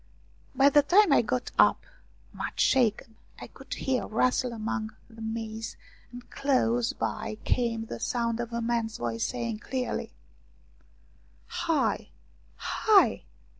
By the time I got up, much shaken, I could hear a rustle among the maize, and close by came the sound of a man's voice saying clearly :" Hi ! Hi